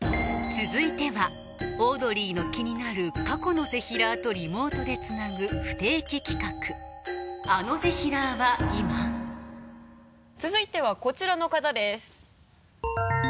続いてはオードリーの気になる過去のぜひらーとリモートでつなぐ不定期企画続いてはこちらの方です。